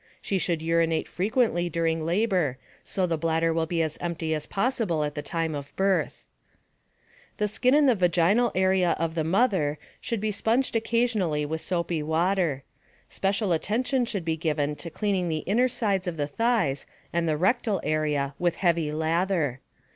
She should urinate frequently during labor so the bladder will be as empty as possible at the time of birth. The skin in the vaginal area of the mother should be sponged occasionally with soapy water. Special attention should be given to cleaning the inner sides of the thighs and the rectal area with heavy lather.